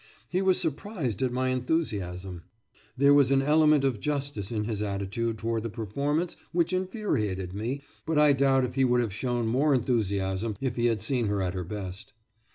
He was surprised at my enthusiasm. There was an element of justice in his attitude toward the performance which infuriated me, but I doubt if he would have shown more enthusiasm if he had seen her at her best.